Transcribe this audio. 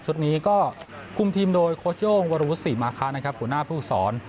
ชุดนี้ก็คุมทีมโดยโคชโยงวรุศิมาคารผู้หน้าผู้สอน